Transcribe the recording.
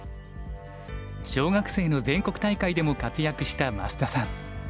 小学生の全国大会でも活躍した増田さん。